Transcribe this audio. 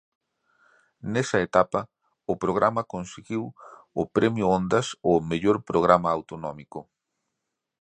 Nesa etapa o programa conseguiu o Premio Ondas ao mellor programa autonómico.